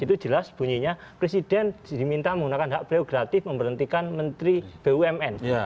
itu jelas bunyinya presiden diminta menggunakan hak prerogatif memberhentikan menteri bumn